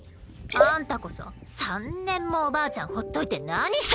あんたこそ３年もおばあちゃんほっといて何してたのよ。